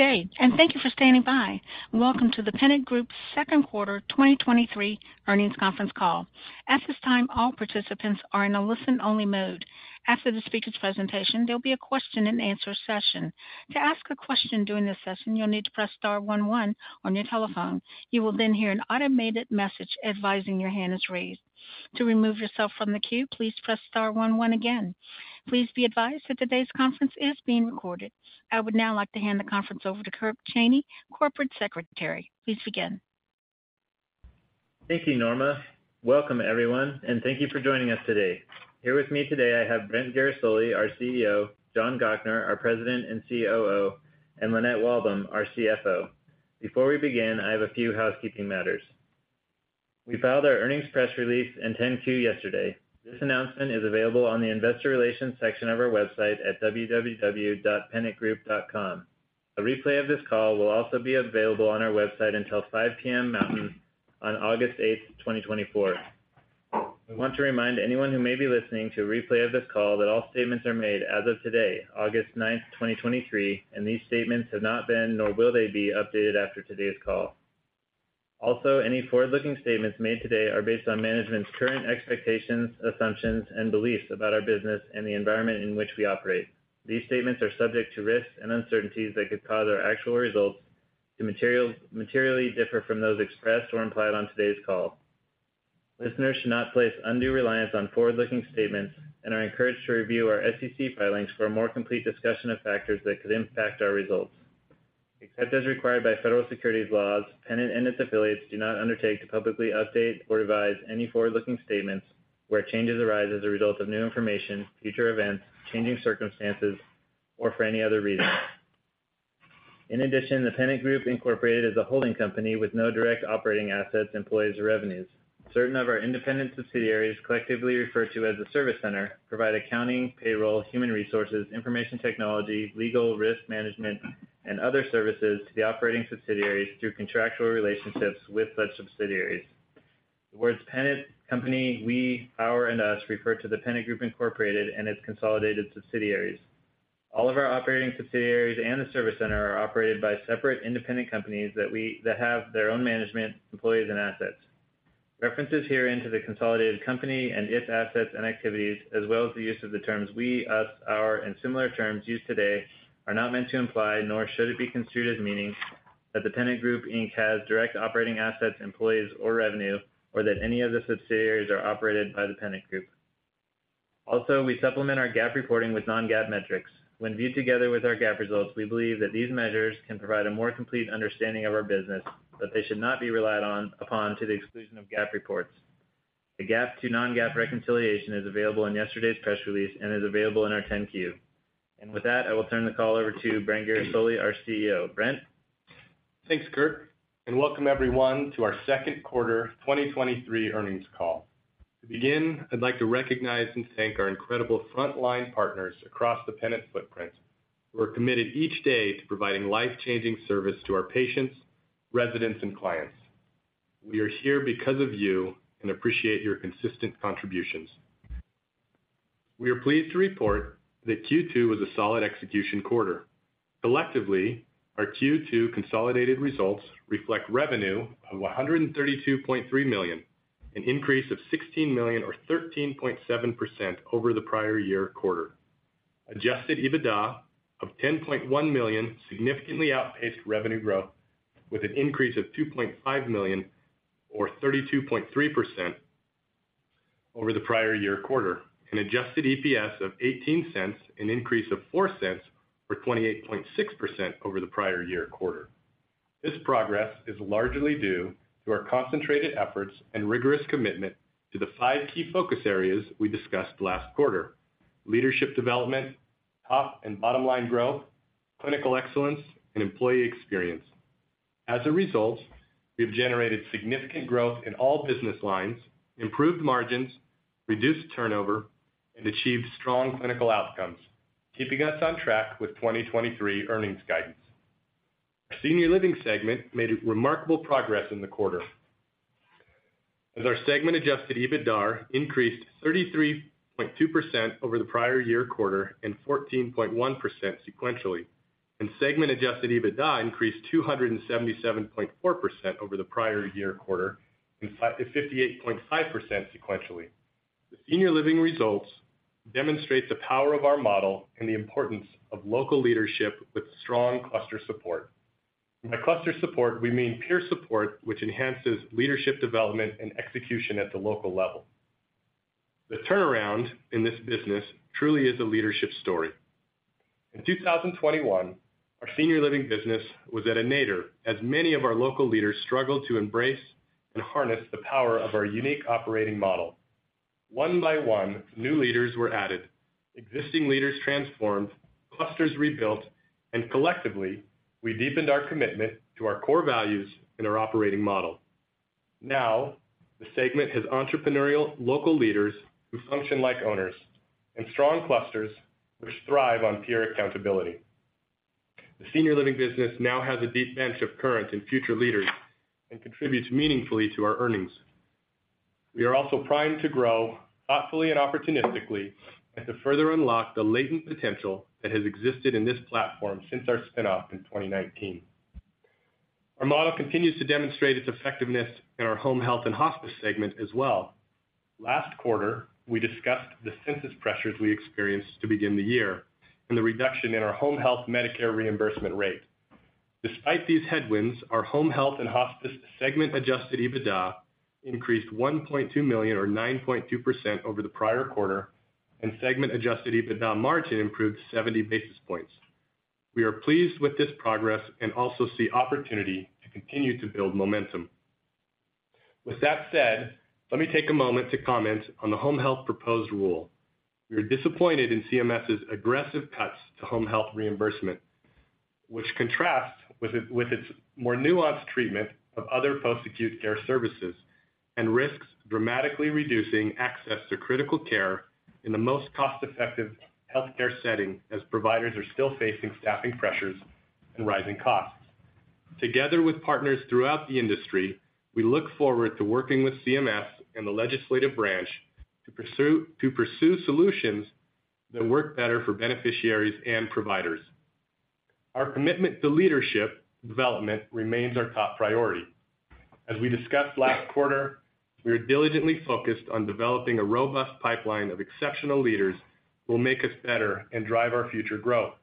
Good day, thank you for standing by. Welcome to The Pennant Group's second quarter, 2023 earnings conference call. At this time, all participants are in a listen-only mode. After the speaker's presentation, there'll be a question-and-answer session. To ask a question during this session, you'll need to press star 11 on your telephone. You will then hear an automated message advising your hand is raised. To remove yourself from the queue, please press star 11 again. Please be advised that today's conference is being recorded. I would now like to hand the conference over to Kirk Cheney, Corporate Secretary. Please begin. Thank you, Norma. Welcome, everyone, and thank you for joining us today. Here with me today, I have Brent Guerisoli, our CEO, John Gochnour, our President and COO, and Lynette Walbom, our CFO. Before we begin, I have a few housekeeping matters. We filed our earnings press release in 10-Q yesterday. This announcement is available on the investor relations section of our website at www.pennantgroup.com. A replay of this call will also be available on our website until 5:00 P.M. Mountain, on August 8, 2024. We want to remind anyone who may be listening to a replay of this call that all statements are made as of today, August 9, 2023, and these statements have not been, nor will they be updated after today's call. Any forward-looking statements made today are based on management's current expectations, assumptions, and beliefs about our business and the environment in which we operate. These statements are subject to risks and uncertainties that could cause our actual results to materially differ from those expressed or implied on today's call. Listeners should not place undue reliance on forward-looking statements and are encouraged to review our SEC filings for a more complete discussion of factors that could impact our results. Except as required by federal securities laws, Pennant and its affiliates do not undertake to publicly update or revise any forward-looking statements where changes arise as a result of new information, future events, changing circumstances, or for any other reason. In addition, The Pennant Group, Inc. is a holding company with no direct operating assets, employees, or revenues. Certain of our independent subsidiaries, collectively referred to as the Service Center, provide accounting, payroll, human resources, information technology, legal, risk management, and other services to the operating subsidiaries through contractual relationships with such subsidiaries. The words Pennant company, we, our, and us refer to The Pennant Group, Inc. and its consolidated subsidiaries. All of our operating subsidiaries and the Service Center are operated by separate independent companies that have their own management, employees, and assets. References herein to the consolidated company and its assets and activities, as well as the use of the terms we, us, our, and similar terms used today, are not meant to imply, nor should it be construed as meaning, that The Pennant Group, Inc. has direct operating assets, employees, or revenue, or that any of the subsidiaries are operated by The Pennant Group. Also, we supplement our GAAP reporting with non-GAAP metrics. When viewed together with our GAAP results, we believe that these measures can provide a more complete understanding of our business, but they should not be relied on to the exclusion of GAAP reports. The GAAP to non-GAAP reconciliation is available in yesterday's press release and is available in our 10-Q. With that, I will turn the call over to Brent Guerisoli, our CEO. Brent? Thanks, Kirk, welcome everyone to our second quarter 2023 earnings call. To begin, I'd like to recognize and thank our incredible frontline partners across the Pennant footprint, who are committed each day to providing life-changing service to our patients, residents, and clients. We are here because of you and appreciate your consistent contributions. We are pleased to report that Q2 was a solid execution quarter. Collectively, our Q2 consolidated results reflect revenue of $132.3 million, an increase of $16 million or 13.7% over the prior year quarter. Adjusted EBITDA of $10.1 million, significantly outpaced revenue growth with an increase of $2.5 million or 32.3% over the prior year quarter. Adjusted EPS of $0.18, an increase of $0.04 or 28.6% over the prior year quarter. This progress is largely due to our concentrated efforts and rigorous commitment to the five key focus areas we discussed last quarter: leadership development, top and bottom line growth, clinical excellence, and employee experience. As a result, we've generated significant growth in all business lines, improved margins, reduced turnover, and achieved strong clinical outcomes, keeping us on track with 2023 earnings guidance. Our senior living segment made remarkable progress in the quarter. As our segment adjusted, EBITDAR increased 33.2% over the prior year quarter and 14.1% sequentially, and segment-adjusted EBITDA increased 277.4% over the prior year quarter and 58.5% sequentially. The senior living results demonstrate the power of our model and the importance of local leadership with strong cluster support. By cluster support, we mean peer support, which enhances leadership development and execution at the local level. The turnaround in this business truly is a leadership story. In 2021, our senior living business was at a nadir, as many of our local leaders struggled to embrace and harness the power of our unique operating model. One by one, new leaders were added, existing leaders transformed, clusters rebuilt, and collectively, we deepened our commitment to our core values and our operating model. Now, the segment has entrepreneurial local leaders who function like owners, and strong clusters which thrive on peer accountability. The senior living business now has a deep bench of current and future leaders and contributes meaningfully to our earnings. We are also primed to grow thoughtfully and opportunistically, and to further unlock the latent potential that has existed in this platform since our spin-off in 2019. Our model continues to demonstrate its effectiveness in our home health and hospice segment as well. Last quarter, we discussed the census pressures we experienced to begin the year, and the reduction in our home health Medicare reimbursement rate. Despite these headwinds, our home health and hospice segment adjusted EBITDA increased $1.2 million, or 9.2% over the prior quarter, and segment adjusted EBITDA margin improved 70 basis points. We are pleased with this progress and also see opportunity to continue to build momentum. With that said, let me take a moment to comment on the home health proposed rule. We are disappointed in CMS's aggressive cuts to home health reimbursement, which contrasts with its more nuanced treatment of other post-acute care services, and risks dramatically reducing access to critical care in the most cost-effective healthcare setting, as providers are still facing staffing pressures and rising costs. Together with partners throughout the industry, we look forward to working with CMS and the legislative branch to pursue solutions that work better for beneficiaries and providers. Our commitment to leadership development remains our top priority. As we discussed last quarter, we are diligently focused on developing a robust pipeline of exceptional leaders who will make us better and drive our future growth.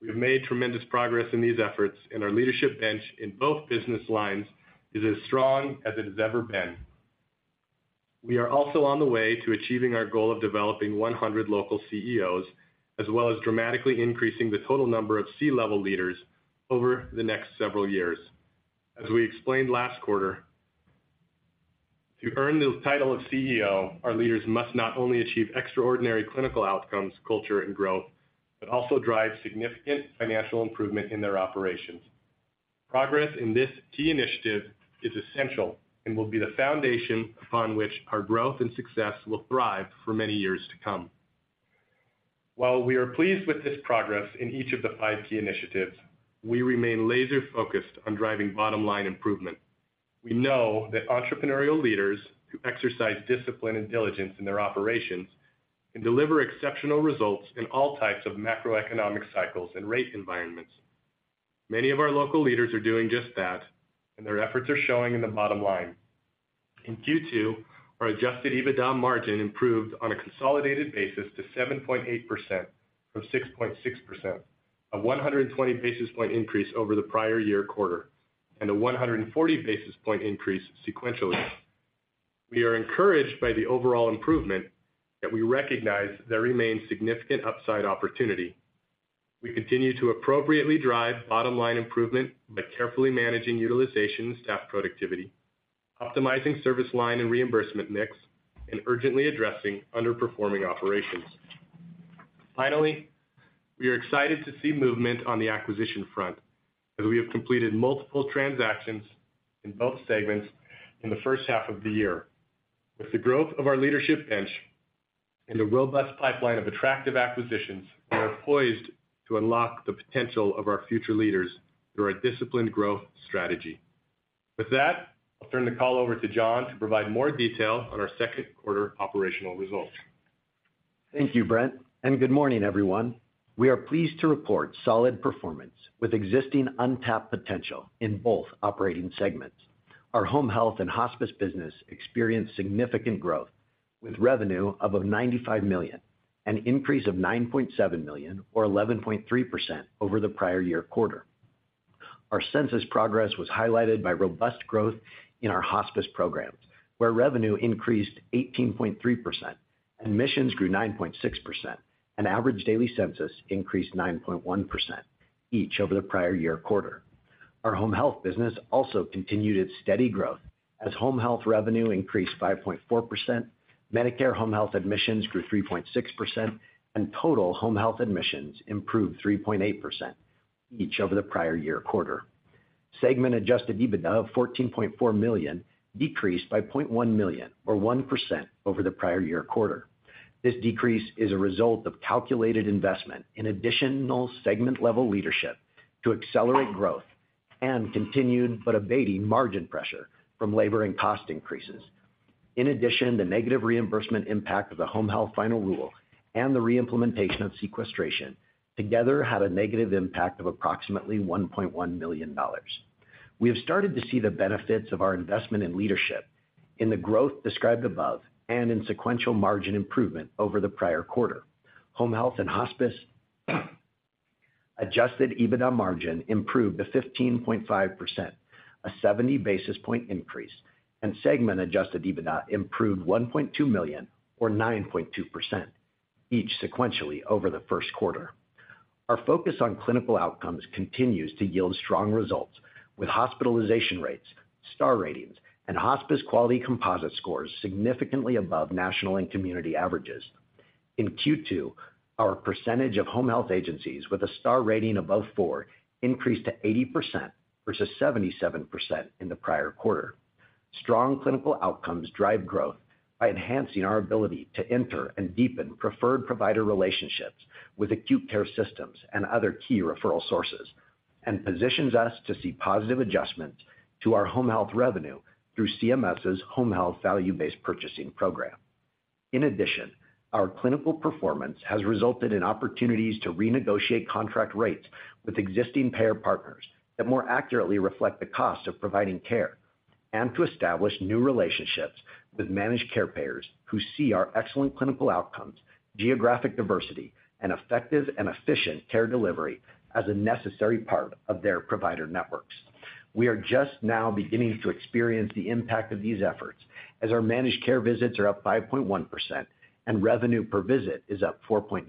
We have made tremendous progress in these efforts, and our leadership bench in both business lines is as strong as it has ever been. We are also on the way to achieving our goal of developing 100 local CEOs, as well as dramatically increasing the total number of C-level leaders over the next several years. As we explained last quarter, to earn the title of CEO, our leaders must not only achieve extraordinary clinical outcomes, culture, and growth, but also drive significant financial improvement in their operations. Progress in this key initiative is essential and will be the foundation upon which our growth and success will thrive for many years to come. While we are pleased with this progress in each of the five key initiatives, we remain laser focused on driving bottom-line improvement. We know that entrepreneurial leaders who exercise discipline and diligence in their operations, can deliver exceptional results in all types of macroeconomic cycles and rate environments. Many of our local leaders are doing just that, their efforts are showing in the bottom line. In Q2, our adjusted EBITDA margin improved on a consolidated basis to 7.8% from 6.6%, a 120 basis point increase over the prior year quarter, and a 140 basis point increase sequentially. We are encouraged by the overall improvement, yet we recognize there remains significant upside opportunity. We continue to appropriately drive bottom-line improvement by carefully managing utilization and staff productivity, optimizing service line and reimbursement mix, and urgently addressing underperforming operations. Finally, we are excited to see movement on the acquisition front, as we have completed multiple transactions in both segments in the first half of the year. With the growth of our leadership bench and a robust pipeline of attractive acquisitions, we are poised to unlock the potential of our future leaders through our disciplined growth strategy. With that, I'll turn the call over to John to provide more detail on our second quarter operational results. Thank you, Brent, and good morning, everyone. We are pleased to report solid performance with existing untapped potential in both operating segments. Our home health and hospice business experienced significant growth, with revenue of up $95 million, an increase of $9.7 million, or 11.3% over the prior year quarter. Our census progress was highlighted by robust growth in our hospice programs, where revenue increased 18.3%, admissions grew 9.6%, and average daily census increased 9.1%, each over the prior year quarter. Our home health business also continued its steady growth, as home health revenue increased 5.4%, Medicare home health admissions grew 3.6%, and total home health admissions improved 3.8%, each over the prior year quarter. Segment Adjusted EBITDA of $14.4 million decreased by $0.1 million, or 1%, over the prior year quarter. This decrease is a result of calculated investment in additional segment-level leadership to accelerate growth and continued, but abating margin pressure from labor and cost increases. The negative reimbursement impact of the home health final rule and the re-implementation of sequestration together had a negative impact of approximately $1.1 million. We have started to see the benefits of our investment in leadership in the growth described above and in sequential margin improvement over the prior quarter. Home health and hospice Adjusted EBITDA margin improved to 15.5%, a 70 basis point increase, and segment Adjusted EBITDA improved $1.2 million, or 9.2%, each sequentially over the first quarter. Our focus on clinical outcomes continues to yield strong results, with hospitalization rates, star ratings, and hospice quality composite scores significantly above national and community averages. In Q2, our percentage of home health agencies with a star rating above 4 increased to 80% versus 77% in the prior quarter. Strong clinical outcomes drive growth by enhancing our ability to enter and deepen preferred provider relationships with acute care systems and other key referral sources, and positions us to see positive adjustments to our home health revenue through CMS's Home Health Value-Based Purchasing program. Our clinical performance has resulted in opportunities to renegotiate contract rates with existing payer partners that more accurately reflect the cost of providing care, and to establish new relationships with managed care payers who see our excellent clinical outcomes, geographic diversity, and effective and efficient care delivery as a necessary part of their provider networks. We are just now beginning to experience the impact of these efforts, as our managed care visits are up 5.1%, and revenue per visit is up 4.9%,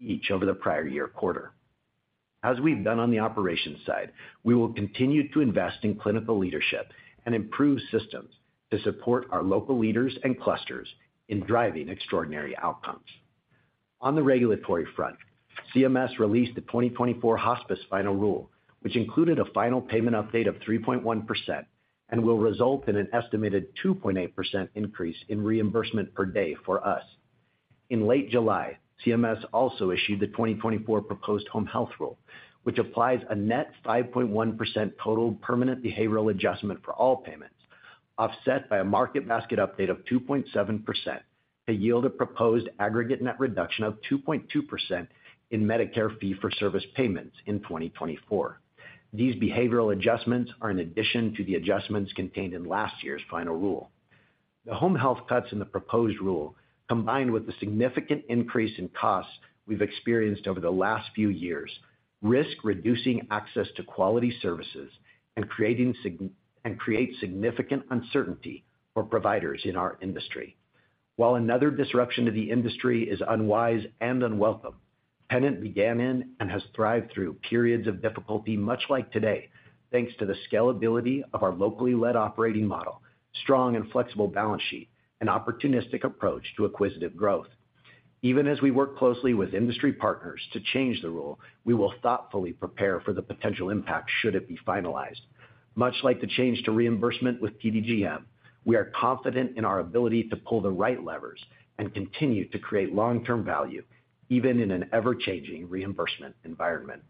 each over the prior year quarter. As we've done on the operations side, we will continue to invest in clinical leadership and improve systems to support our local leaders and clusters in driving extraordinary outcomes. On the regulatory front, CMS released the 2024 hospice final rule, which included a final payment update of 3.1% and will result in an estimated 2.8% increase in reimbursement per day for us. In late July, CMS also issued the 2024 proposed home health rule, which applies a net 5.1% total permanent behavioral adjustment for all payments, offset by a market basket update of 2.7%, to yield a proposed aggregate net reduction of 2.2% in Medicare fee-for-service payments in 2024. These behavioral adjustments are in addition to the adjustments contained in last year's final rule. The home health cuts in the proposed rule, combined with the significant increase in costs we've experienced over the last few years, risk reducing access to quality services and create significant uncertainty for providers in our industry. While another disruption to the industry is unwise and unwelcome, Pennant began in and has thrived through periods of difficulty, much like today, thanks to the scalability of our locally led operating model, strong and flexible balance sheet, and opportunistic approach to acquisitive growth. Even as we work closely with industry partners to change the rule, we will thoughtfully prepare for the potential impact should it be finalized. Much like the change to reimbursement with PDGM, we are confident in our ability to pull the right levers and continue to create long-term value, even in an ever-changing reimbursement environment.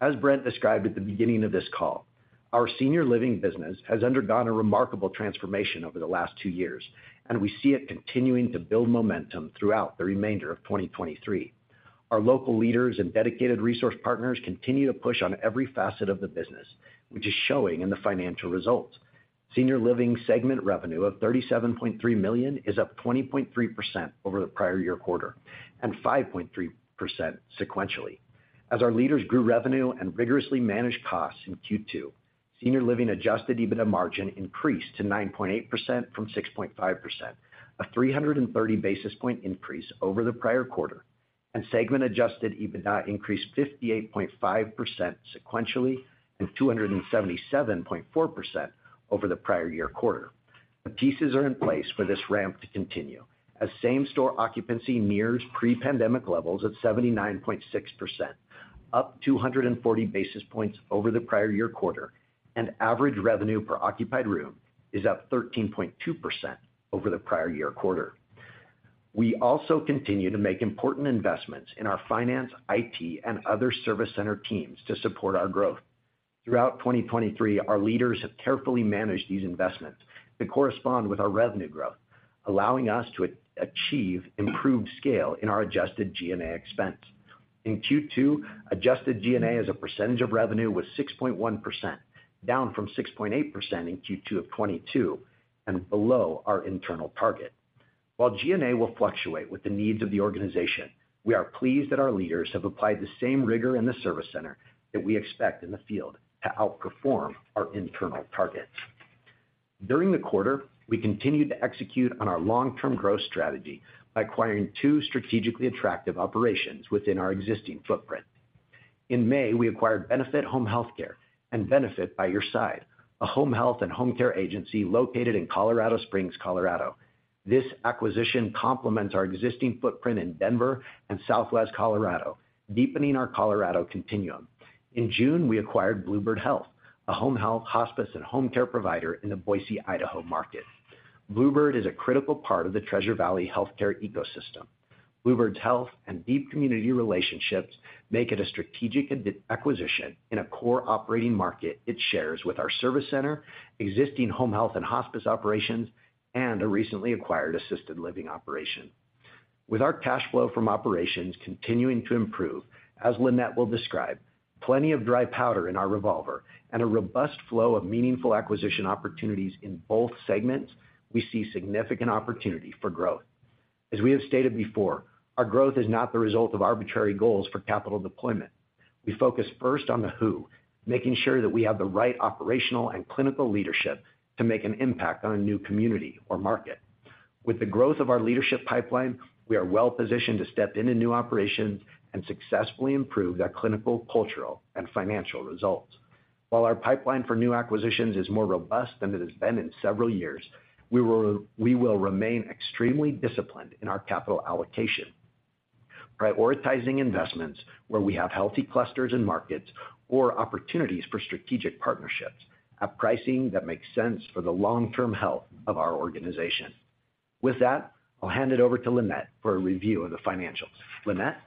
As Brent described at the beginning of this call, our senior living business has undergone a remarkable transformation over the last two years, and we see it continuing to build momentum throughout the remainder of 2023. Our local leaders and dedicated resource partners continue to push on every facet of the business, which is showing in the financial results. Senior living segment revenue of $37.3 million is up 20.3% over the prior year quarter, and 5.3% sequentially. As our leaders grew revenue and rigorously managed costs in Q2, senior living adjusted EBITDA margin increased to 9.8% from 6.5%, a 330 basis point increase over the prior quarter, and segment adjusted EBITDA increased 58.5% sequentially and 277.4% over the prior year quarter. The pieces are in place for this ramp to continue, as same-store occupancy nears pre-pandemic levels at 79.6%, up 240 basis points over the prior year quarter, and average revenue per occupied room is up 13.2% over the prior year quarter. We also continue to make important investments in our finance, IT, and other Service Center teams to support our growth. Throughout 2023, our leaders have carefully managed these investments to correspond with our revenue growth, allowing us to achieve improved scale in our adjusted G&A expense. In Q2, adjusted G&A as a percentage of revenue was 6.1%, down from 6.8% in Q2 of 2022, and below our internal target. While G&A will fluctuate with the needs of the organization, we are pleased that our leaders have applied the same rigor in the Service Center that we expect in the field to outperform our internal targets. During the quarter, we continued to execute on our long-term growth strategy by acquiring two strategically attractive operations within our existing footprint. In May, we acquired Benefit Home Health Care and Benefit By Your Side, a home health and home care agency located in Colorado Springs, Colorado. This acquisition complements our existing footprint in Denver and Southwest Colorado, deepening our Colorado continuum. In June, we acquired Bluebird Health, a home health, hospice, and home care provider in the Boise, Idaho, market. Bluebird is a critical part of the Treasure Valley healthcare ecosystem. Bluebird's health and deep community relationships make it a strategic acquisition in a core operating market it shares with our Service Center, existing home health and hospice operations, and a recently acquired assisted living operation. With our cash flow from operations continuing to improve, as Lynette will describe, plenty of dry powder in our revolver and a robust flow of meaningful acquisition opportunities in both segments, we see significant opportunity for growth. As we have stated before, our growth is not the result of arbitrary goals for capital deployment. We focus first on the who, making sure that we have the right operational and clinical leadership to make an impact on a new community or market. With the growth of our leadership pipeline, we are well positioned to step into new operations and successfully improve their clinical, cultural, and financial results. While our pipeline for new acquisitions is more robust than it has been in several years, we will remain extremely disciplined in our capital allocation, prioritizing investments where we have healthy clusters in markets or opportunities for strategic partnerships at pricing that makes sense for the long-term health of our organization. With that, I'll hand it over to Lynette for a review of the financials. Lynette?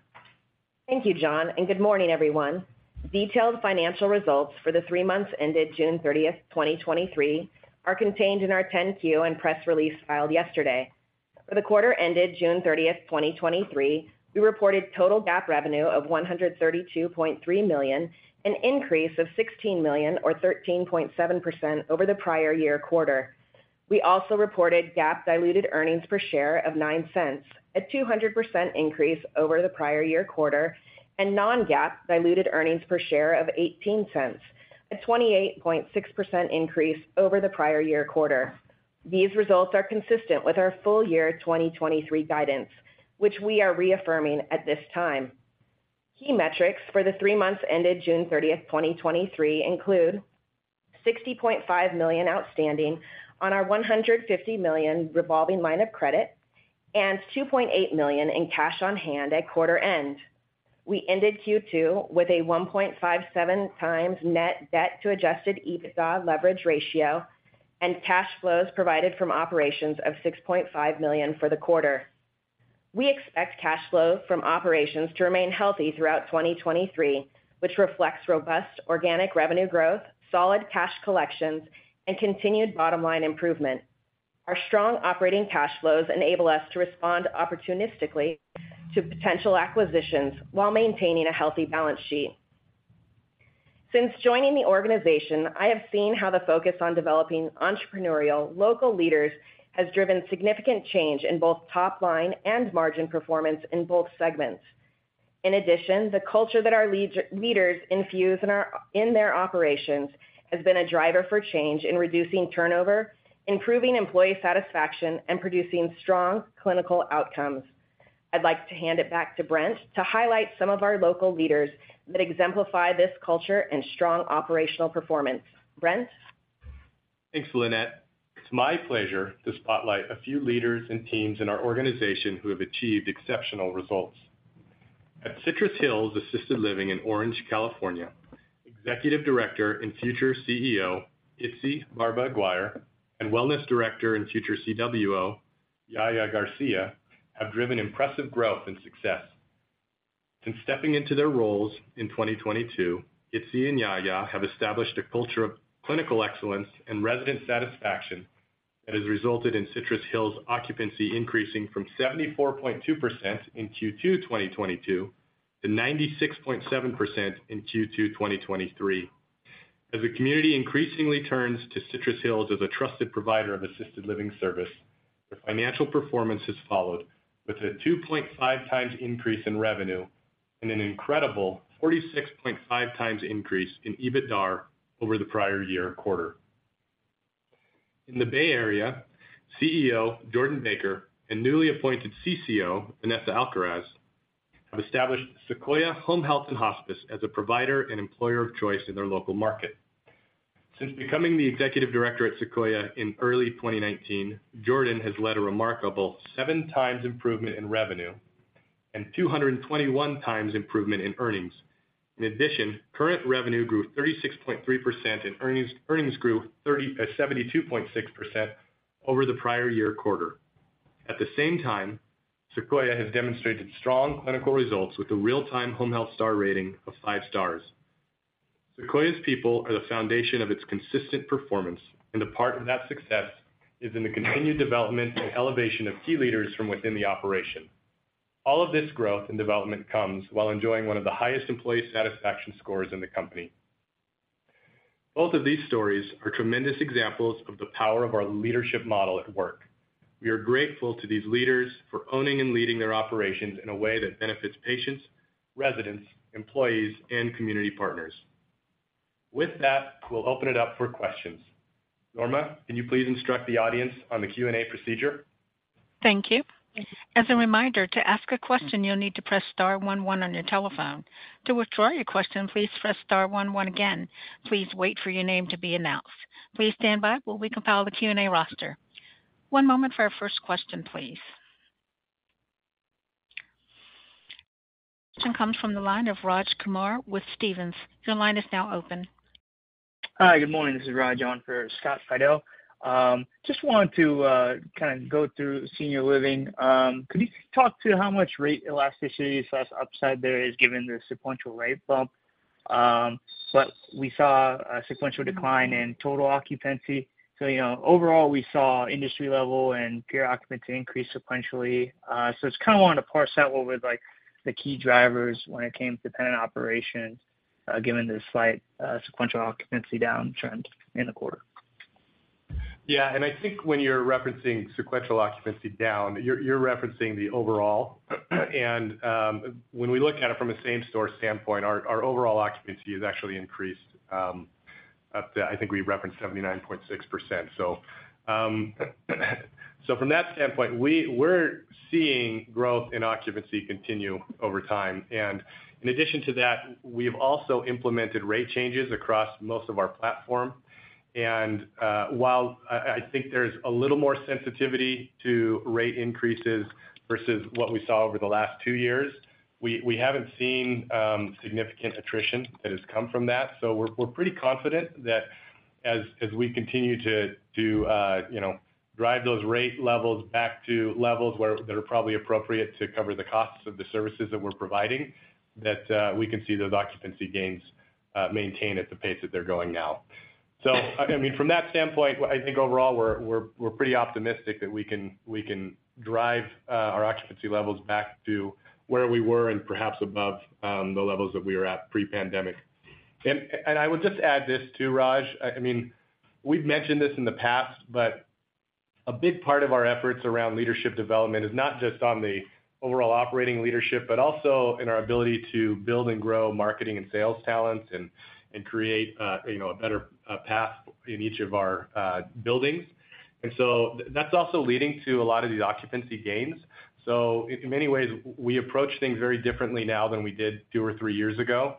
Thank you, John. Good morning, everyone. Detailed financial results for the 3 months ended June 30, 2023, are contained in our 10-Q and press release filed yesterday. For the quarter ended June 30, 2023, we reported total GAAP revenue of $132.3 million, an increase of $16 million or 13.7% over the prior year quarter. We also reported GAAP diluted earnings per share of $0.09, a 200% increase over the prior year quarter, and non-GAAP diluted earnings per share of $0.18, a 28.6% increase over the prior year quarter. These results are consistent with our full year 2023 guidance, which we are reaffirming at this time. Key metrics for the three months ended June 30th, 2023, include $60.5 million outstanding on our $150 million revolving line of credit and $2.8 million in cash on hand at quarter end. We ended Q2 with a 1.57x net debt to Adjusted EBITDA leverage ratio and cash flows provided from operations of $6.5 million for the quarter. We expect cash flow from operations to remain healthy throughout 2023, which reflects robust organic revenue growth, solid cash collections, and continued bottom line improvement. Our strong operating cash flows enable us to respond opportunistically to potential acquisitions while maintaining a healthy balance sheet. Since joining the organization, I have seen how the focus on developing entrepreneurial local leaders has driven significant change in both top line and margin performance in both segments. In addition, the culture that our leaders infuse in their operations has been a driver for change in reducing turnover, improving employee satisfaction, and producing strong clinical outcomes. I'd like to hand it back to Brent to highlight some of our local leaders that exemplify this culture and strong operational performance. Brent? Thanks, Lynette. It's my pleasure to spotlight a few leaders and teams in our organization who have achieved exceptional results. At Citrus Hills Assisted Living in Orange, California, Executive Director and future CEO, Itziar Barba Aguirre, and Wellness Director and future CWO, Yaya Garcia, have driven impressive growth and success. Since stepping into their roles in 2022, Itzi and Yaya have established a culture of clinical excellence and resident satisfaction that has resulted in Citrus Hills occupancy increasing from 74.2% in Q2, 2022, to 96.7% in Q2, 2023. As the community increasingly turns to Citrus Hills as a trusted provider of assisted living service, the financial performance has followed with a 2.5 times increase in revenue and an incredible 46.5 times increase in EBITDAR over the prior year quarter. In the Bay Area, CEO Jordan Baker and newly appointed CCO Vanessa Alcaraz have established Sequoia Home Health and Hospice as a provider and employer of choice in their local market. Since becoming the Executive Director at Sequoia in early 2019, Jordan has led a remarkable 7 times improvement in revenue and 221 times improvement in earnings. In addition, current revenue grew 36.3%, and earnings grew 72.6% over the prior year quarter. At the same time, Sequoia has demonstrated strong clinical results with a real-time Home Health Star Rating of 5 stars. Sequoia's people are the foundation of its consistent performance, and a part of that success is in the continued development and elevation of key leaders from within the operation. All of this growth and development comes while enjoying one of the highest employee satisfaction scores in the company. Both of these stories are tremendous examples of the power of our leadership model at work. We are grateful to these leaders for owning and leading their operations in a way that benefits patients, residents, employees, and community partners. With that, we'll open it up for questions. Norma, can you please instruct the audience on the Q&A procedure? Thank you. As a reminder, to ask a question, you'll need to press star one one on your telephone. To withdraw your question, please press star one one again. Please wait for your name to be announced. Please stand by while we compile the Q&A roster. One moment for our first question, please. Your question comes from the line of Raj Kumar with Stephens. Your line is now open. Hi, good morning. This is Raj on for Scott Fidel. Just wanted to kind of go through senior living. Could you talk to how much rate elasticity/upside there is given the sequential rate bump? We saw a sequential decline in total occupancy. You know, overall, we saw industry level and peer occupancy increase sequentially. Just kind of wanted to parse out what were, like, the key drivers when it came to Pennant operations given the slight sequential occupancy downtrend in the quarter. Yeah, I think when you're referencing sequential occupancy down, you're, you're referencing the overall. When we look at it from a same-store standpoint, our, our overall occupancy has actually increased, up to, I think we referenced 79.6%. From that standpoint, we're seeing growth in occupancy continue over time. In addition to that, we've also implemented rate changes across most of our platform. While I, I think there's a little more sensitivity to rate increases versus what we saw over the last two years, we, we haven't seen significant attrition that has come from that. We're, we're pretty confident that... as, as we continue to, to, you know, drive those rate levels back to levels where they're probably appropriate to cover the costs of the services that we're providing, that, we can see those occupancy gains maintained at the pace that they're going now. I mean, from that standpoint, I think overall, we're, we're, we're pretty optimistic that we can, we can drive our occupancy levels back to where we were and perhaps above the levels that we were at pre-pandemic. I would just add this too, Raj. I mean, we've mentioned this in the past, but a big part of our efforts around leadership development is not just on the overall operating leadership, but also in our ability to build and grow marketing and sales talents and create, you know, a better path in each of our buildings. So that's also leading to a lot of these occupancy gains. In many ways, we approach things very differently now than we did two or three years ago.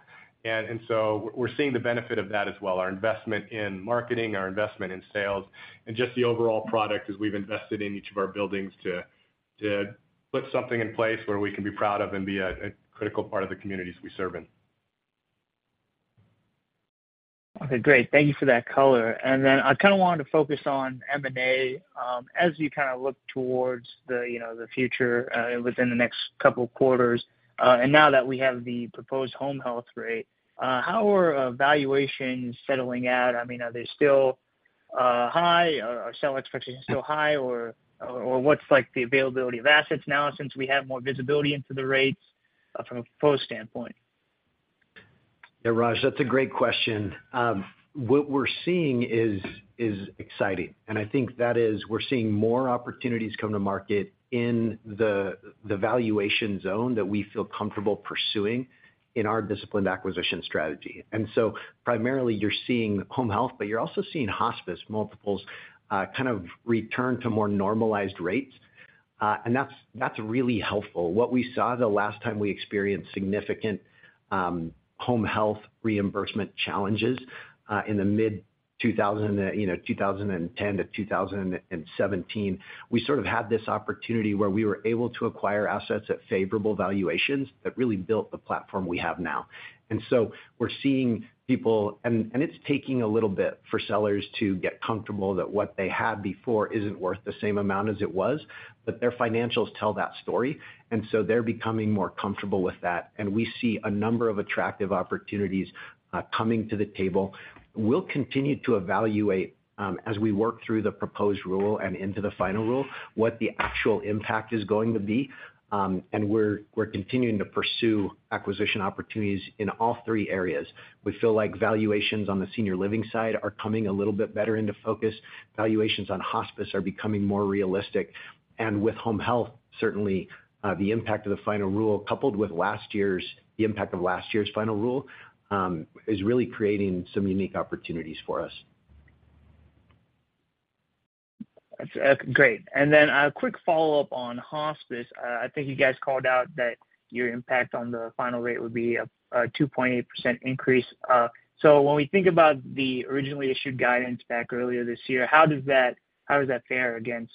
So we're seeing the benefit of that as well, our investment in marketing, our investment in sales, and just the overall product as we've invested in each of our buildings to, to put something in place where we can be proud of and be a, a critical part of the communities we serve in. Okay, great. Thank you for that color. Then I kind of wanted to focus on M&A. As you kind of look towards the, you know, the future, within the next couple quarters, and now that we have the proposed home health rate, how are evaluations settling out? I mean, are they still high, or are sell expectations still high, or what's like the availability of assets now since we have more visibility into the rates from a post standpoint? Yeah, Raj, that's a great question. What we're seeing is, is exciting, and I think that is we're seeing more opportunities come to market in the, the valuation zone that we feel comfortable pursuing in our disciplined acquisition strategy. Primarily you're seeing home health, but you're also seeing hospice multiples, kind of return to more normalized rates, and that's, that's really helpful. What we saw the last time we experienced significant home health reimbursement challenges in the mid 2000, you know, 2010-2017, we sort of had this opportunity where we were able to acquire assets at favorable valuations that really built the platform we have now. We're seeing people--. It's taking a little bit for sellers to get comfortable that what they had before isn't worth the same amount as it was, but their financials tell that story, so they're becoming more comfortable with that. We see a number of attractive opportunities coming to the table. We'll continue to evaluate as we work through the proposed rule and into the final rule, what the actual impact is going to be. We're continuing to pursue acquisition opportunities in all three areas. We feel like valuations on the senior living side are coming a little bit better into focus. Valuations on hospice are becoming more realistic. With home health, certainly, the impact of the final rule, coupled with the impact of last year's final rule, is really creating some unique opportunities for us. That's great. Then a quick follow-up on hospice. I think you guys called out that your impact on the final rate would be a 2.8% increase. When we think about the originally issued guidance back earlier this year, how does that, how does that fare against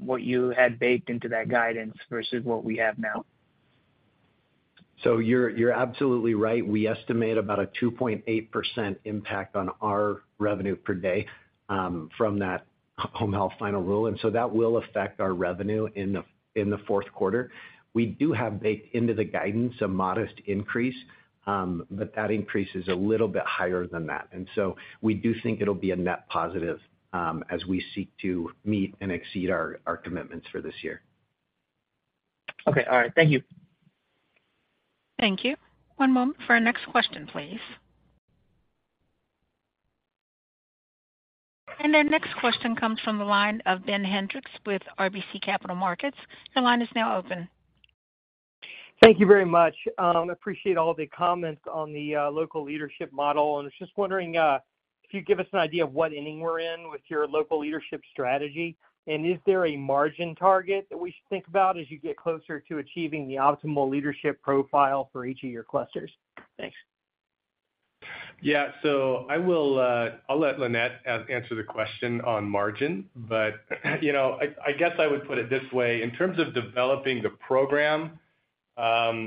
what you had baked into that guidance versus what we have now? You're, you're absolutely right. We estimate about a 2.8 impact on our revenue per day from that home health final rule, and so that will affect our revenue in the fourth quarter. We do have baked into the guidance a modest increase, but that increase is a little bit higher than that. We do think it'll be a net positive as we seek to meet and exceed our commitments for this year. Okay. All right, thank you. Thank you. One moment for our next question, please. Our next question comes from the line of Ben Hendrix with RBC Capital Markets. The line is now open. Thank you very much. Appreciate all the comments on the local leadership model. I was just wondering if you'd give us an idea of what inning we're in with your local leadership strategy, and is there a margin target that we should think about as you get closer to achieving the optimal leadership profile for each of your clusters? Thanks. Yeah. I will, I'll let Lynette answer the question on margin, but, you know, I guess I would put it this way. In terms of developing the program,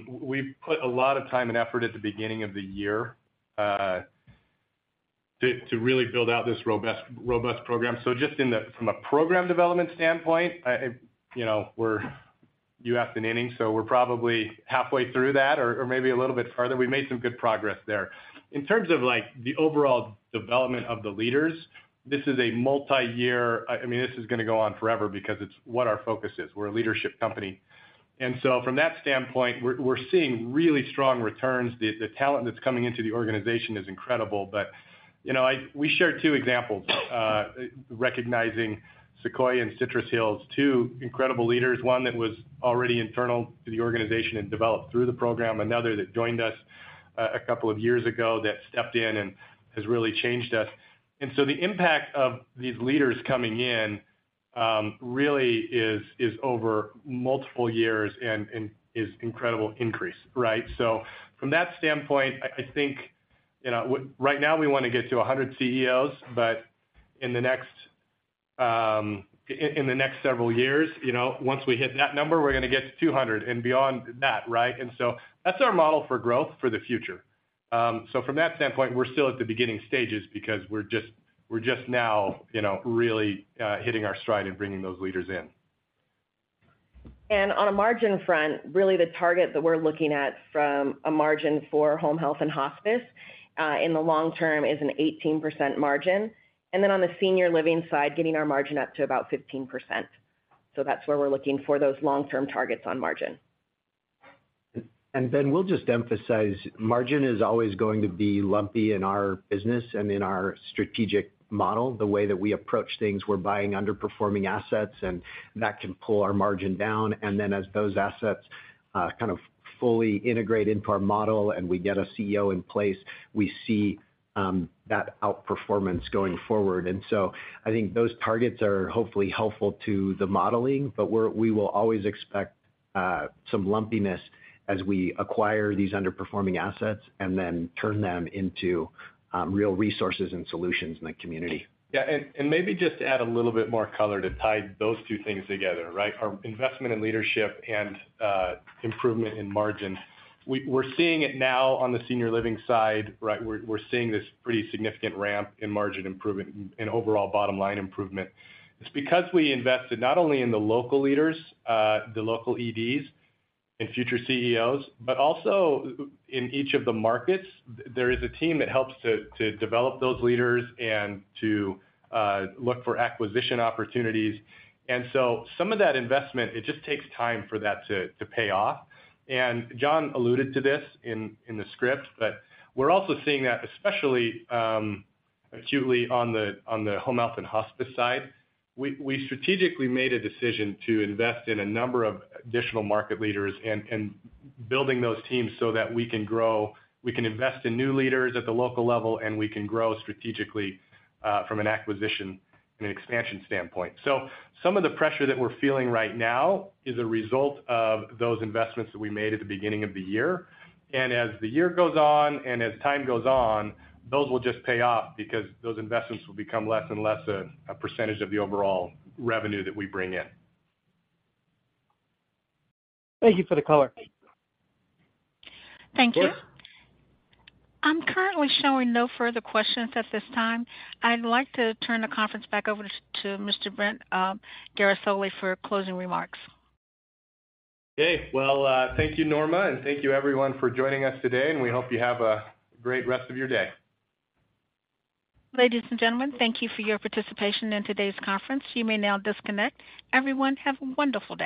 we put a lot of time and effort at the beginning of the year, to, to really build out this robust, robust program. Just from a program development standpoint, I, you know, you asked an inning, so we're probably halfway through that or, or maybe a little bit further. We made some good progress there. In terms of, like, the overall development of the leaders, this is a multiyear. I mean, this is gonna go on forever because it's what our focus is. We're a leadership company. From that standpoint, we're, we're seeing really strong returns. The, the talent that's coming into the organization is incredible. You know, we shared two examples, recognizing Sequoia and Citrus Hills, two incredible leaders, one that was already internal to the organization and developed through the program, another that joined us a couple of years ago, that stepped in and has really changed us. So the impact of these leaders coming in, really is, is over multiple years and, and is incredible increase, right? From that standpoint, I, I think, you know, right now we want to get to 100 CEOs, in the next several years, you know. Once we hit that number, we're gonna get to 200 and beyond that, right? So that's our model for growth for the future. From that standpoint, we're still at the beginning stages because we're just, we're just now, you know, really, hitting our stride and bringing those leaders in. On a margin front, really the target that we're looking at from a margin for home health and hospice, in the long term is an 18% margin. On the senior living side, getting our margin up to about 15%. That's where we're looking for those long-term targets on margin. Ben, we'll just emphasize, margin is always going to be lumpy in our business and in our strategic model. The way that we approach things, we're buying underperforming assets, and that can pull our margin down. Then as those assets, kind of fully integrate into our model and we get a CEO in place, we see that outperformance going forward. I think those targets are hopefully helpful to the modeling, but we will always expect some lumpiness as we acquire these underperforming assets and then turn them into real resources and solutions in the community. Yeah, maybe just to add a little bit more color to tie those two things together, right? Our investment in leadership and improvement in margin. We, we're seeing it now on the senior living side, right? We're, we're seeing this pretty significant ramp in margin improvement and overall bottom line improvement. It's because we invested not only in the local leaders, the local EDs and future CEOs, but also in each of the markets, there is a team that helps to develop those leaders and to look for acquisition opportunities. Some of that investment, it just takes time for that to pay off. John alluded to this in the script, but we're also seeing that, especially acutely on the home health and hospice side. We strategically made a decision to invest in a number of additional market leaders and building those teams so that we can grow. We can invest in new leaders at the local level, and we can grow strategically from an acquisition and expansion standpoint. Some of the pressure that we're feeling right now is a result of those investments that we made at the beginning of the year. As the year goes on, and as time goes on, those will just pay off because those investments will become less and less a percentage of the overall revenue that we bring in. Thank you for the color. Thank you. Norma? I'm currently showing no further questions at this time. I'd like to turn the conference back over to Mr. Brent Guerisoli for closing remarks. Okay. Well, thank you, Norma, and thank you, everyone, for joining us today, and we hope you have a great rest of your day. Ladies and gentlemen, thank you for your participation in today's conference. You may now disconnect. Everyone, have a wonderful day.